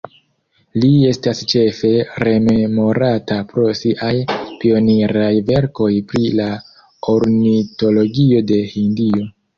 Li estas ĉefe rememorata pro siaj pioniraj verkoj pri la ornitologio de Hindio.